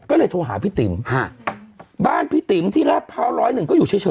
ก็เลยโทรหาพี่ติ๋มฮะบ้านพี่ติ๋มที่ราชพร้าวร้อยหนึ่งก็อยู่เฉย